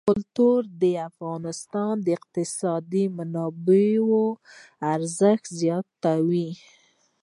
کلتور د افغانستان د اقتصادي منابعو ارزښت زیاتوي.